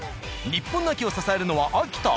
日本の秋を支えるのは秋田！？